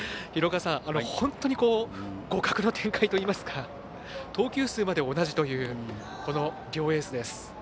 廣岡さん、本当に互角の展開といいますか投球数まで同じという両エースです。